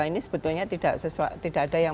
ini sebetulnya tidak sesuai tidak ada yang